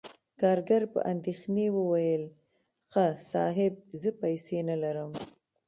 کارګر په اندیښنې وویل: "ښه، صاحب، زه پیسې نلرم..."